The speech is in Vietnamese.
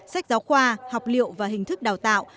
sách giáo khoa học liệu và hình thức đào tạo